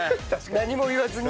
何も言わずにこう。